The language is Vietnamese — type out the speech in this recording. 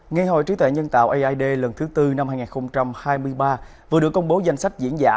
ngày hội trí tuệ nhân tạo ai da lần thứ tư năm hai nghìn hai mươi ba vừa được công bố danh sách diễn giả